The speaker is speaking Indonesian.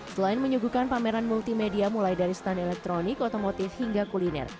selain menyuguhkan pameran multimedia mulai dari stand elektronik otomotif hingga kuliner